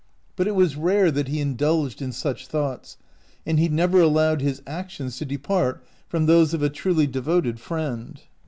But it was rare that he indulged in such thoughts, and he never allowed his actions to depart from those of a truly devoted friend.